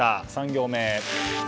３行目。